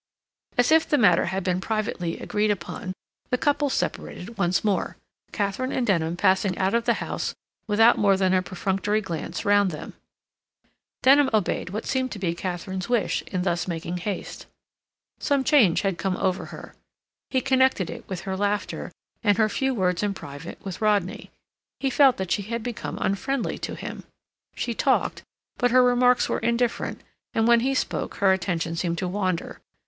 As if the matter had been privately agreed upon, the couples separated once more, Katharine and Denham passing out of the house without more than a perfunctory glance round them. Denham obeyed what seemed to be Katharine's wish in thus making haste. Some change had come over her. He connected it with her laughter, and her few words in private with Rodney; he felt that she had become unfriendly to him. She talked, but her remarks were indifferent, and when he spoke her attention seemed to wander.